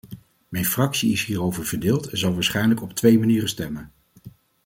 Mijn fractie is hierover verdeeld en zal waarschijnlijk op twee manieren stemmen.